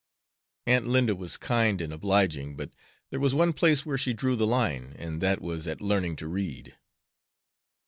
Aunt Linda was kind and obliging, but there was one place where she drew the line, and that was at learning to read.